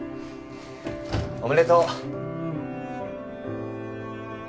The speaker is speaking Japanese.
おめでとう。